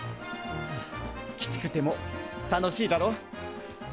きつくても楽しいだろ？